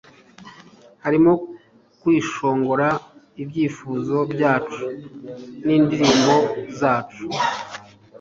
harimo kwishongora, ibyifuzo byacu n'indirimbo zacu